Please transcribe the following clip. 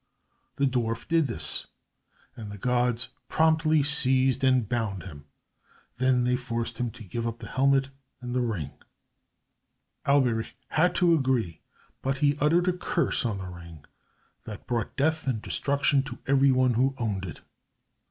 The dwarf did this, and the gods promptly seized and bound him. They then forced him to give up the helmet and the ring. Alberich had to agree, but he uttered a curse on the ring that brought death and destruction to everyone who owned it.